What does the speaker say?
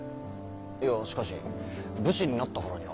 いやしかし武士になったからには。